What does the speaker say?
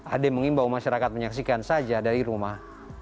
ade mengimbau masyarakat menyaksikan saja dari rumah